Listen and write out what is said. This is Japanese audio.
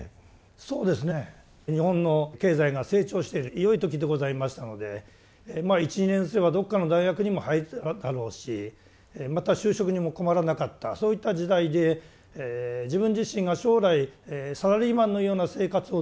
そうですね日本の経済が成長している良い時でございましたのでまあ１２年すればどっかの大学にも入っただろうしまた就職にも困らなかったそういった時代で自分自身が将来サラリーマンのような生活を望んでいるんだろうか？